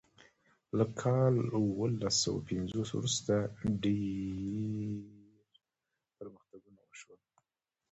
له کال اوولس سوه پنځوس وروسته ډیر پرمختګونه وشول.